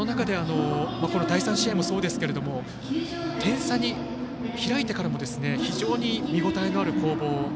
その中でこの第３試合もそうですけれども点差が開いてからも非常に見応えのある攻防。